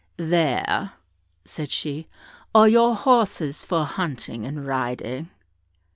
"There," said she, "are your horses for hunting and riding."